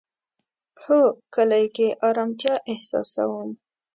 هو، کلی کی ارامتیا احساسوم